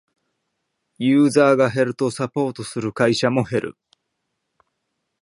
ユーザーが減るとサポートする会社も減る